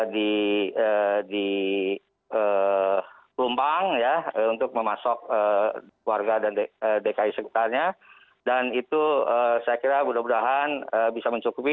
jadi rumpang ya untuk memasok warga dan dki sekitarnya dan itu saya kira mudah mudahan bisa mencukupi